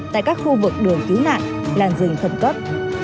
tại các khu vực đường cứu nạn làn rừng khẩn cấp